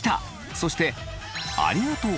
そしてありがとう！